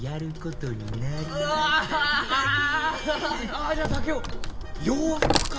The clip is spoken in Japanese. ああじゃあ竹雄洋服か！？